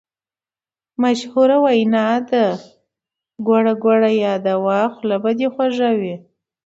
مشهوره وینا ده: ګوړه ګوړه یاده وه خوله به دې خوږه وي.